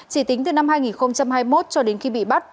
chỉ tính từ năm hai nghìn hai mươi một cho đến khi bị bắt